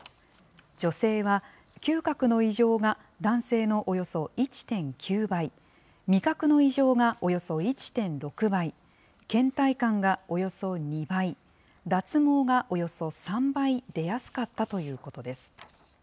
女性は、嗅覚の異常が男性のおよそ１．９倍、味覚の異常がおよそ１．６倍、けん怠感がおよそ２倍、脱毛がおよそ３倍出やすかったということです。